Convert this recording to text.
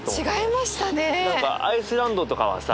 何かアイスランドとかはさ